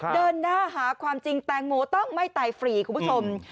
เดินหน้าหาความจริงแตงโมต้องไม่ตายฟรีคุณผู้ชม